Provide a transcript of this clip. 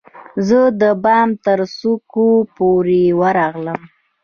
زه د بام ترڅوکو پورې ورغلم